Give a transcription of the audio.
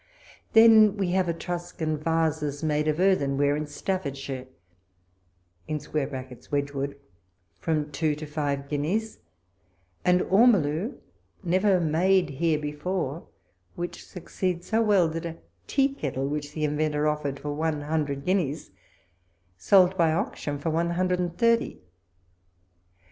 Then we have Etruscan vases, made of earthenware, in Staffordshire [Wedgwood] from two to five guineas ; and ormoulu, never made here before, which succeeds so well, that a tea kettle, which the inventor offered for one Inmdred guineas, sold by auction for one hundred and thirty.